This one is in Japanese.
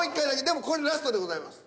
でもこれラストでございます。